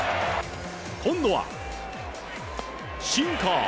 今度は、シンカー！